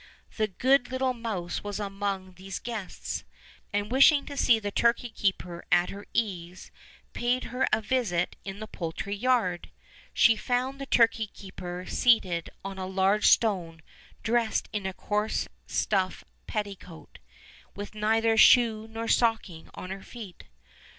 The good little mouse was among these guests; and wishing to see the turkey keeper at her ease, paid her a visit in the poultry yard. She found the turkey keeper seated on a large stone dressed in a coarse stuff petticoat, with neither shoe nor stocking on her feet.